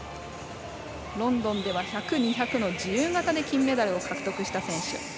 ロンドンでは１００、２００の自由形で金メダルを獲得。